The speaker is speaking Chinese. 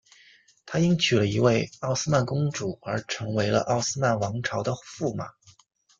他因娶了一位奥斯曼公主而成为了奥斯曼王朝的驸马。